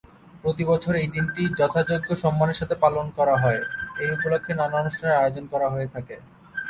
প্রতি বছর এই দিন টি যথাযোগ্য সম্মানের সাথে পালন করা হয়। এই উপলক্ষে নানা অনুষ্ঠানের আয়োজন করা হয়ে থাকে।